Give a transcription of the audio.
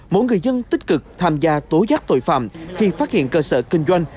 mỗi người dân tích cực tham gia tố giác tội phạm khi phát hiện cơ sở kinh doanh